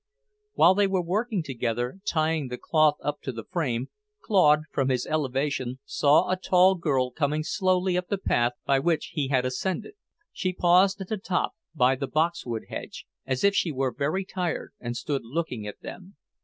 While they were working together, tying the cloth up to the frame, Claude, from his elevation, saw a tall girl coming slowly up the path by which he had ascended. She paused at the top, by the boxwood hedge, as if she were very tired, and stood looking at them.